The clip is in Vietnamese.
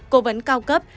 cố vấn cao cấp